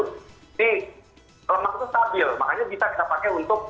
lemak itu stabil makanya bisa kita pakai untuk